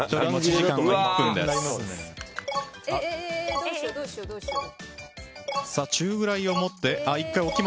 どうしよう、どうしよう。